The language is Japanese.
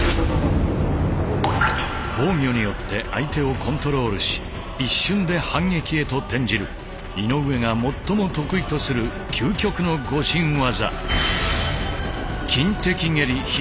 防御によって相手をコントロールし一瞬で反撃へと転じる井上が最も得意とする究極の護身技。